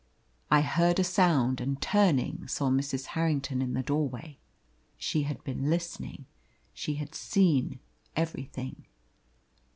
I heard a sound, and turning, saw Mrs. Harrington in the doorway. She had been listening; she had seen everything.